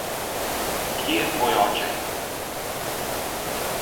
Kje je tvoj oče?